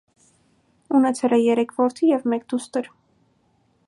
Ունեցել է երեք որդի և մեկ դուստր։